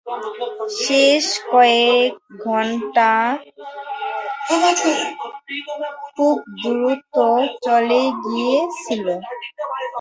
শেষ কয়েকটা ঘন্টা খুব দ্রুত চলে গিয়েছিল।